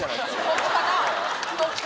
そっちかな？